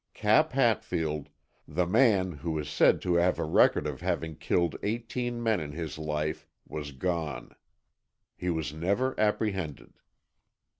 Cap Hatfield, the man who is said to have a record of having killed eighteen men in his life, was gone. He was never apprehended.